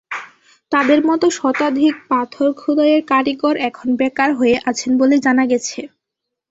তাঁদের মতো শতাধিক পাথর খোদাইয়ের কারিগর এখন বেকার হয়ে আছেন বলে জানা গেছে।